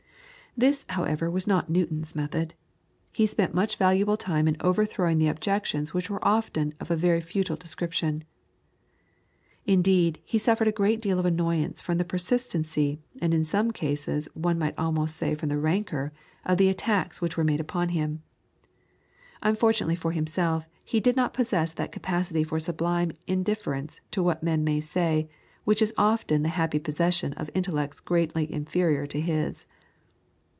This, however, was not Newton's method. He spent much valuable time in overthrowing objections which were often of a very futile description. Indeed, he suffered a great deal of annoyance from the persistency, and in some cases one might almost say from the rancour, of the attacks which were made upon him. Unfortunately for himself, he did not possess that capacity for sublime indifference to what men may say, which is often the happy possession of intellects greatly inferior to his.